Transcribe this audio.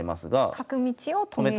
角道を止める。